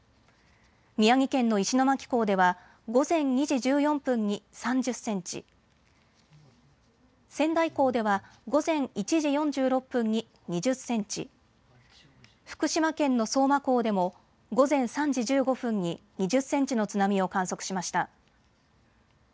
宮城県の石巻港では午前２時１４分に３０センチ、仙台港では午前１時４６分に２０センチ、福島県の相馬港でも午前３時１５分に２０センチの津波を観測しました。